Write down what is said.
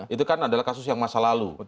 itu kan adalah kasus yang masa lalu